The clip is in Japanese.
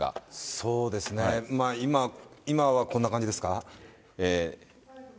そうですね、今、今はこんな感じですか。